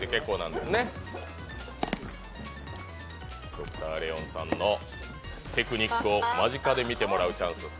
Ｄｒ．レオンさんのテクニックを間近で見てもらうチャンスです。